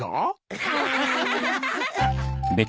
アハハハ。